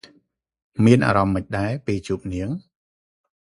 មានអារម្មណ៍ម៉េចដែរ ពេលជួបនាង?